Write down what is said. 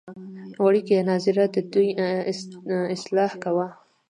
وړکیه ناظره ددوی اصلاح کوه.